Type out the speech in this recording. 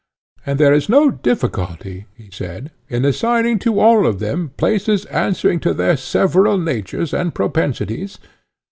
And there is no difficulty, he said, in assigning to all of them places answering to their several natures and propensities?